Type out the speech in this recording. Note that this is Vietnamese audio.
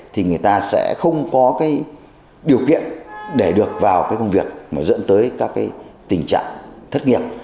thì người ta sẽ không có cái điều kiện để được vào cái công việc mà dẫn tới các cái tình trạng thất nghiệp